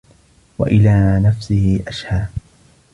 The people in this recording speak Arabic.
وَإِلَى نَفْسِهِ أَشْهَى